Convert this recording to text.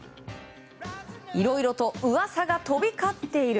いろいろと噂が飛び交っている。